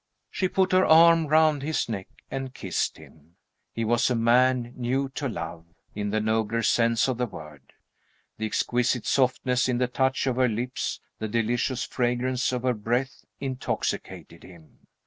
She put her arm round his neck and kissed him. He was a man new to love, in the nobler sense of the word. The exquisite softness in the touch of her lips, the delicious fragrance of her breath, intoxicated him.